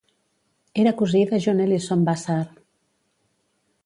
Era cosí de John Ellison Vassar.